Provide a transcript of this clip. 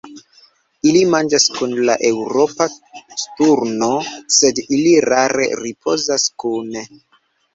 Ili manĝas kun la Eŭropa sturno, sed ili rare ripozas kune.